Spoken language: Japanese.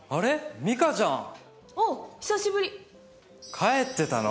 帰ってたの？